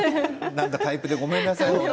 タイプでごめんなさいね。